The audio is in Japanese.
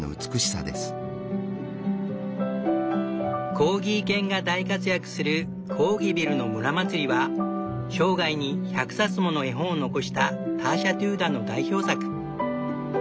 コーギー犬が大活躍する「コーギビルの村まつり」は生涯に１００冊もの絵本を残したターシャ・テューダーの代表作。